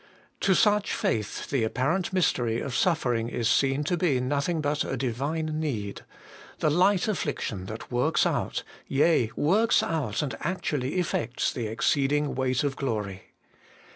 To such faith the apparent mystery of suffer ing is seen to be nothing but a Divine need the light affliction that works out yea, works out and actually effects the exceeding weight of glory.